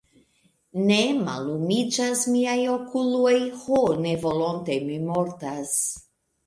Ne, mallumiĝas miaj okuloj, ho, ne volonte mi mortas.